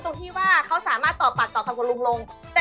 ใครคิดว่าไม่เบอร์๒ก็เบอร์๓เช่นกันค่ะ